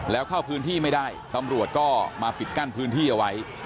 แล้วเข้าพื้นที่ไม่ได้ตำรวจก็มาปิดกั้นพื้นที่เอาไว้